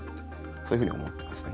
そういうふうに思ってますね。